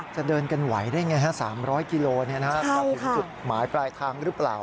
จะเดินกันไหวได้ไงฮะ๓๐๐กิโลมาถึงจุดหมายปลายทางหรือเปล่า